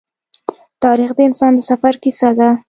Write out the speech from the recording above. تاریخ د انسان د سفر کیسه ده.